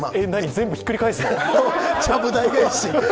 全部ひっくり返すの？